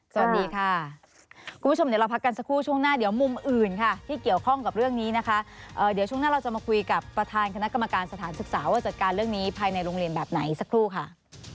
สวัสดีค่ะคุณผู้ชมเดี๋ยวเราพักกันสักครู่ช่วงหน้าเดี๋ยวมุมอื่นค่ะที่เกี่ยวข้องกับเรื่องนี้นะคะเดี๋ยวช่วงหน้าเราจะมาคุยกับประธานคณะกรรมการสถานศึกษาว่าจัดการเรื่องนี้ภายในโรงเรียนแบบไหนสักครู่ค่ะ